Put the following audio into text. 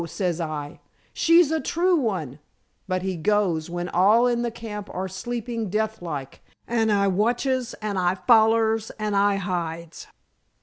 says I. 'She's a true one.' But he goes, when all in the camp are sleeping death like, and I watches, and I follers, and I hides."